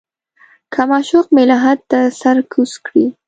که معشوق مې لحد ته سر کوز کړي.